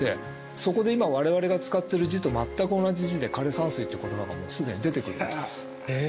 そこで今我々が使ってる字と全く同じ字で枯山水って言葉がもう既に出てくるんです。